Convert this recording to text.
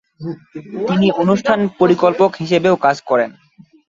তিনি অনুষ্ঠান পরিকল্পক হিসেবেও কাজ করেন।